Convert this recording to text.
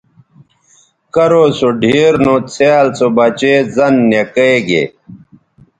کرو سو ڈِھیر نو څھیال سو بچے زَن نِکئے گے